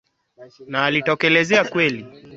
lakini kwa sababu sasa sarafu ni moja